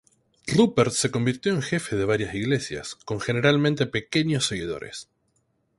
Rupert se convirtió en el jefe de varias iglesias, con generalmente pequeños seguidores.